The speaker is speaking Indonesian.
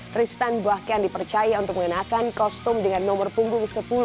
tristan bahkan dipercaya untuk mengenakan kostum dengan nomor punggung sepuluh